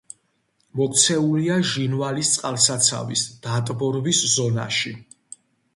მოქცეულია ჟინვალის წყალსაცავის დატბორვის ზონაში.